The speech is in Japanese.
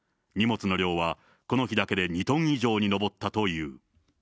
荷物の量はこの日だけで２トン以上に上ったという。